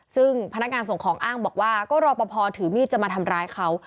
ซึ่งพนักงานส่งของอ้างบอกว่าก็รอปภถือมีดจะมาทำร้ายเขา